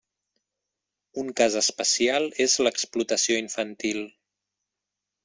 Un cas especial és l'Explotació infantil.